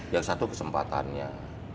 yang satu kesempatannya